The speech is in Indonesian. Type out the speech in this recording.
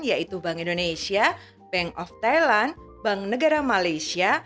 yaitu bank indonesia bank of thailand bank negara malaysia